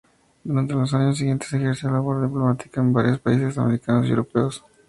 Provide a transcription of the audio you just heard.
Durante los años siguientes ejerció labor diplomática, en varios países americanos y europeos.